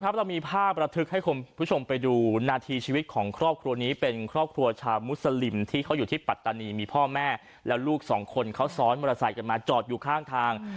เรามีภาพระทึกให้คุณผู้ชมไปดูนาทีชีวิตของครอบครัวนี้เป็นครอบครัวชาวมุสลิมที่เขาอยู่ที่ปัตตานีมีพ่อแม่แล้วลูกสองคนเขาซ้อนมอเตอร์ไซค์กันมาจอดอยู่ข้างทาง